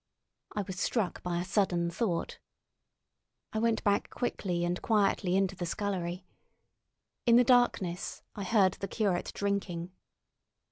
I was struck by a sudden thought. I went back quickly and quietly into the scullery. In the darkness I heard the curate drinking.